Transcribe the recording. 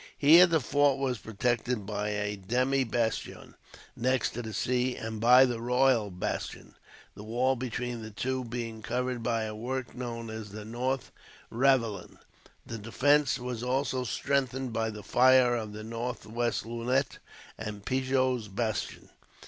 Here the fort was protected by a demi bastion, next to the sea; and by the Royal Bastion, the wall between the two being covered by a work known as the North Ravelin. The defence was also strengthened by the fire of the northwest lunette, and Pigot's Bastion.